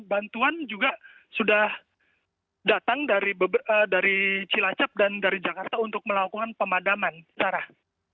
bantuan juga sudah datang dari cilacap dan dari jakarta untuk melakukan pemadaman sarah